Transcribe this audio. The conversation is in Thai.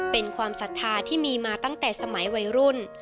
เป็นความศรัทธาที่มีมาตั้งแต่สมัยวัยรุ่น